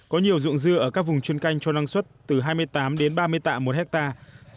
có nhiều ruộng dưa ở các vùng chuyên canh cho năng suất từ hai mươi tám đến ba mươi tạ một hectare